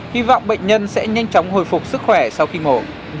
hy vọng bệnh nhân sẽ nhanh chóng hồi phục sức khỏe sau khi mổ